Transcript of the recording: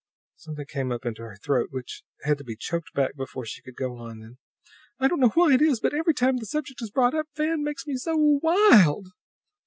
Something came up into her throat which had to be choked back before she could go on. Then "I don't know why it is, but every time the subject is brought up Van makes me so WILD!"